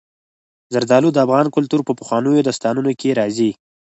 زردالو د افغان کلتور په پخوانیو داستانونو کې راځي.